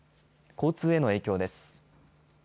交通への影響です。